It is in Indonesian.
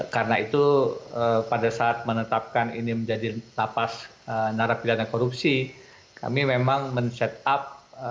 karena itu pada saat menetapkan ini menjadi lapas narapidana korupsi kami memang men set up